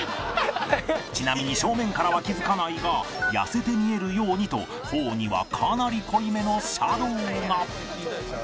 ちなみに正面からは気付かないが痩せて見えるようにと頬にはかなり濃いめのシャドウが